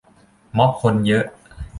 ม๊อบคนเยอะ